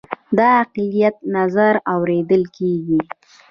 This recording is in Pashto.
د اقلیت نظر اوریدل کیږي؟